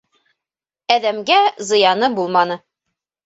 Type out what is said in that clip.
Әҙәмгә зыяны булманы.